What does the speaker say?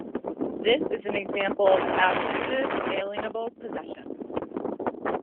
This is an example of attributive, alienable possession.